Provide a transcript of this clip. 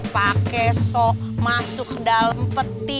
pak keso masuk ke dalam peti